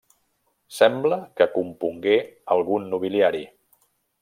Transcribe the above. Sembla que compongué algun nobiliari.